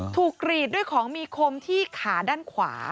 กรีดด้วยของมีคมที่ขาด้านขวา